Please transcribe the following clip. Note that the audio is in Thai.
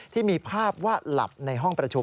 ที่มีภาพว่าหลับในห้องประชุม